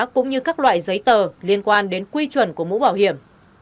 cũng như các loại giấy tờ liên quan đến quy chuẩn của mũ bảo hiểm